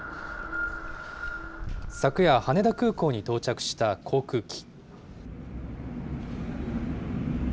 昨夜、羽田空港に到着した航空機。